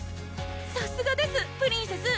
さすがですプリンセス！